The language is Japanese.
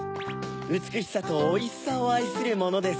うつくしさとおいしさをあいするものです。